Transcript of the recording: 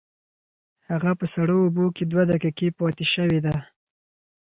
هغه په سړو اوبو کې دوه دقیقې پاتې شوې ده.